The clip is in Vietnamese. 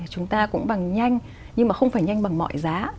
chúng ta cũng bằng nhanh nhưng mà không phải nhanh bằng mọi giá